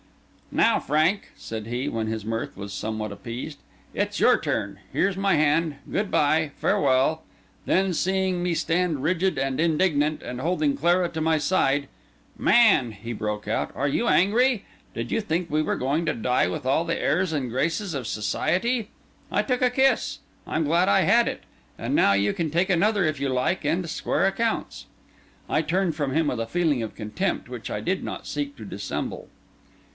"Now, Frank," said he, when his mirth was somewhat appeased, "it's your turn. Here's my hand. Good bye; farewell!" Then, seeing me stand rigid and indignant, and holding Clara to my side—"Man!" he broke out, "are you angry? Did you think we were going to die with all the airs and graces of society? I took a kiss; I'm glad I had it; and now you can take another if you like, and square accounts." I turned from him with a feeling of contempt which I did not seek to dissemble.